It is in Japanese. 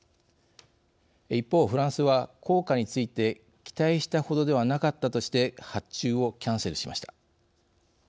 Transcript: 一方フランスは効果について期待したほどではなかったとして発注をキャンセルしました。